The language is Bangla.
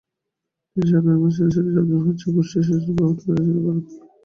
তিনটি সাধারণ নির্বাচনে সিরিজার অর্জন হচ্ছে গোষ্ঠীশাসনের ব্যাপারটিকে রাজনৈতিক করে তোলা।